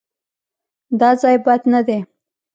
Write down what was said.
_دا ځای بد نه دی.